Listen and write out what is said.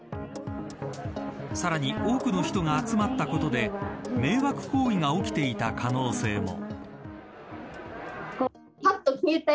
さらに多くの人が集まったことで迷惑行為が起きていた可能性も。